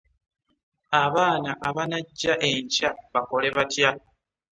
Abaana abanajja enkya bakole batya?